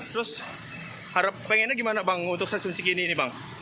terus pengennya gimana bang untuk stasiun sekini ini bang